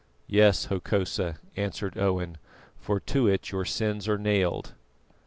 "Yes, Hokosa," answered Owen, "for to it your sins are nailed."